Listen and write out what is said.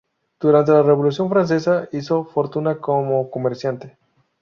Durante la Revolución Francesa, hizo fortuna como comerciante.